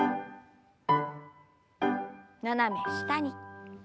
斜め下に。